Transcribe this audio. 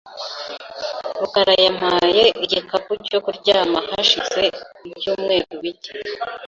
rukara yampaye igikapu cyo kuryama hashize ibyumweru bike .